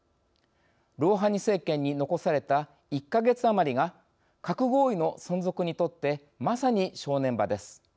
ロウハニ政権に残された１か月余りが核合意の存続にとってまさに正念場です。